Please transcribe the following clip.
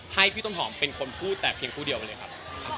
ให้พี่ต้นหอมเป็นคนพูดแต่เพียงผู้เดียวไปเลยครับ